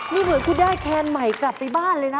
ไม่มึอยขอด้ายแครนใหม่กับปีมีแล้วฮะ